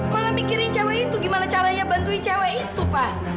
malah mikirin cewek itu gimana caranya bantuin cewek itu pak